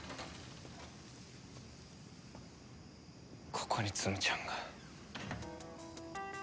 ここにツムちゃんが。